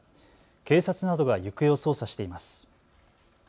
警察などが行方を捜査しています。